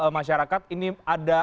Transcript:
masyarakat ini ada